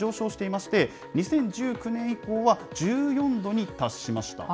年々上昇していまして、２０１９年以降は１４度に達しました。